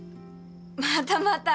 またまた。